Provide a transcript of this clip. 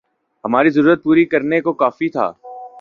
ہماری ضرورت پوری کرنے کو کافی تھا